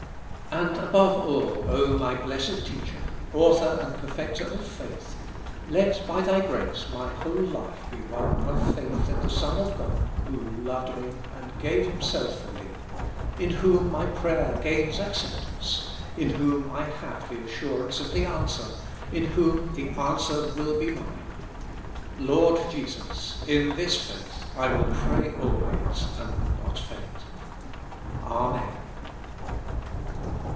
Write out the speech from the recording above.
And above all, O my blessed Teacher ! Author and Perfecter of faith, let by Thy grace my whole life be one of faith in the Son of God who loved me and gave Himself for me — in whom my prayer gains acceptance, in whom I have the as surance of the answer, in whom the answer will be mine. Lord Jesus ! in this faith I will pray always and not faint. Amen.